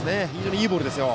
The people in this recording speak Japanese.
いいボールですよ。